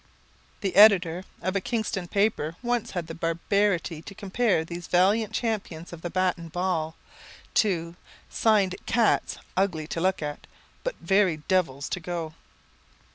The editor of a Kingston paper once had the barbarity to compare these valiant champions of the bat and ball to "singed cats ugly to look at, but very devils to go."